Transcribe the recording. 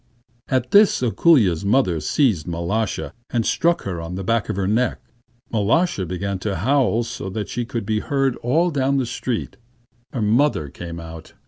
At this Ako√∫lya's mother seized Mal√°sha, and struck her on the back of her neck. Mal√°sha began to howl so that she could be heard all down the street. Her mother came out.